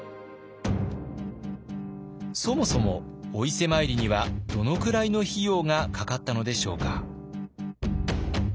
そもそもお伊勢参りにはどのくらいの費用がかかったのでしょうか。